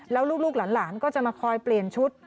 แล้วลูกหลานก็จะมาคอยเปลี่ยนชุด